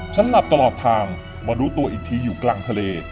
หลับตลอดทางมารู้ตัวอีกทีอยู่กลางทะเล